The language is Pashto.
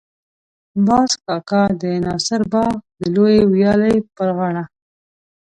باز کاکا به د ناصر باغ د لویې ويالې پر غاړه.